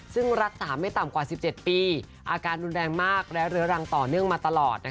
ซึ่งรักษาไม่ต่ำกว่า๑๗ปีอาการรุนแรงมากและเรื้อรังต่อเนื่องมาตลอด